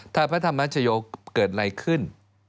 ถ้าพระธรรมชโยคเกิดอะไรขึ้น